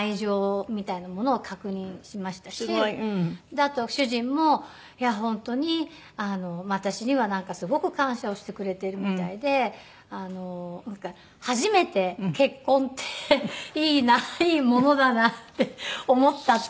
あと主人も本当に私にはすごく感謝をしてくれているみたいで初めて結婚っていいないいものだなって思ったって言うんですよ。